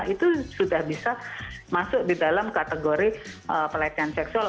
itu sudah bisa masuk di dalam kategori pelecehan seksual